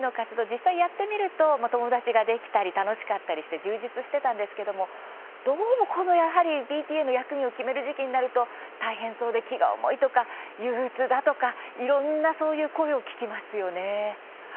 実際やってみると友達ができたり楽しかったりして充実していたんですけれどもどうも、やはりＰＴＡの役員を決める時期になると大変そうで気が重いとか憂うつだとか、いろんなそういう声を聞きますよね。